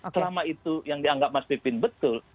selama itu yang dianggap mas pipin betul